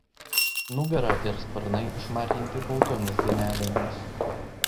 Nugara ir sparnai išmarginti baltomis dėmelėmis.